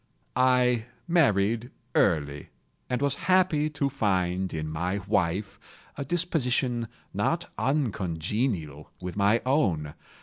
I married early, and was happy to find in my wife a disposition not uncongenial with my own.